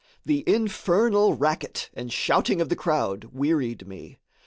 The infernal racket and shouting of the crowd wearied me.